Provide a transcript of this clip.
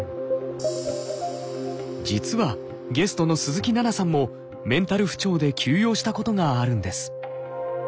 実はゲストの鈴木奈々さんもメンタル不調で休養したことがあるんです。